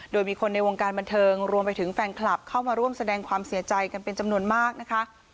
โดยมีคนในวงการบันเทิงรวมไปถึงแฟนคลับเข้ามาร่วมแสดงความเสียใจกันเป็นจำนวนมากนะคะ